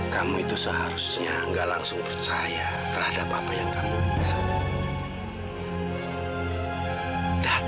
kamu itu seharusnya gak langsung percaya terhadap apa yang kamu punya